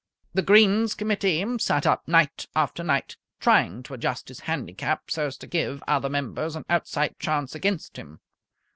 The Greens Committee sat up night after night trying to adjust his handicap so as to give other members an outside chance against him.